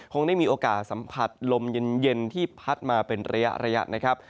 คงได้มีโอกาสสัมผัสลมเย็นที่พัดมาเป็นระยะนะครับ